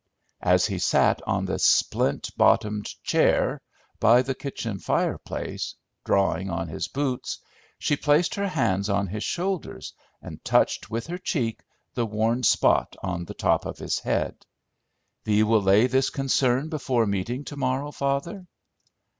As he sat on the splint bottomed chair by the kitchen fireplace, drawing on his boots, she placed her hands on his shoulders, and touched with her cheek the worn spot on the top of his head. "Thee will lay this concern before meeting to morrow, father?"